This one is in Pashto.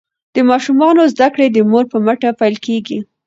د ماشومانو زده کړې د مور په مټو پیل کیږي.